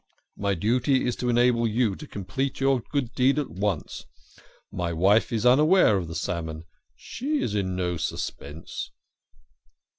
" My duty is to enable you to complete your good deed at once. My wife is unaware of the salmon. She is in no suspense."